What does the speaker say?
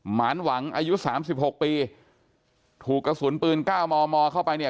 หมานหวังอายุสามสิบหกปีถูกกระสุนปืนเก้ามอมอเข้าไปเนี่ย